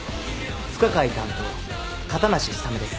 不可解担当片無氷雨です。